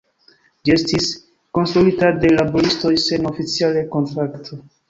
Ĝi estis konstruita de laboristoj sen oficiale kontrakto.